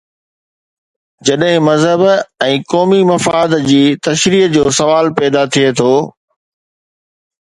جڏهن مذهب ۽ قومي مفاد جي تشريح جو سوال پيدا ٿئي ٿو.